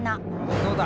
どうだ？